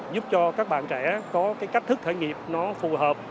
giúp cho các bạn trẻ có cách thức thể nghiệp phù hợp